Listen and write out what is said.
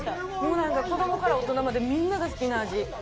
子供から大人まで、みんなが好きな味。